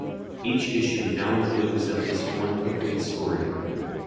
Each issue now includes at least one complete story.